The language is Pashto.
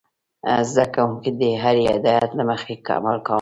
زده کوونکي د هرې هدايت له مخې عمل کاوه.